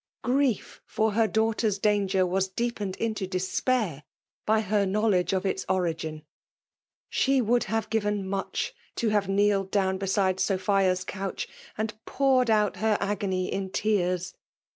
Grief for her daughter s danger was deepened into despair by her knowledge of its origin. She would have given much to have kneeled down beside Sophia's couch^ and poured out her agony in tears.